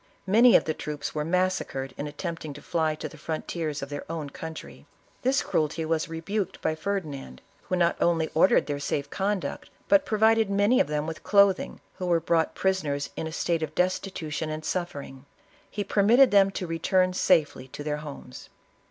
Many of the troops were massacred in attempting to fly to the frontiers of their own country. This cruelty was rebuked by Fer 1SAKKI.LA OF CASTILB. 77 dinand, who not only ordered their safe conduct, but provided many of them with clothing, who were brought prisoners in a state of destitution and sull' r ing. He permitted them to return safely to their homes.